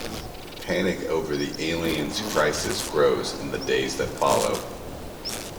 Panic over the Alien's crisis grows in the days that follow.